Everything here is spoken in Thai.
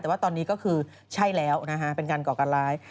แต่ว่าตอนนี้ก็คือใช่แล้วนะฮะเป็นการก่อการร้าย